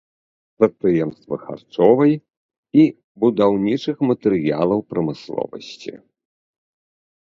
Прадпрыемствы харчовай і будаўнічых матэрыялаў прамысловасці.